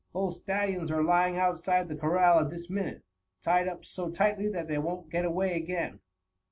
Both stallions are lying outside the corral at this minute, tied up so tightly that they won't get away again."